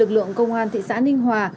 lực lượng công an thị xã ninh hòa